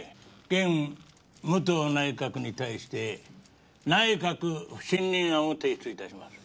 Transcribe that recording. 現武藤内閣に対して内閣不信任案を提出致します。